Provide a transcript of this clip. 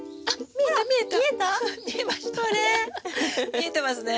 見えてますね。